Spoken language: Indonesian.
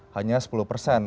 hanya sepuluh persen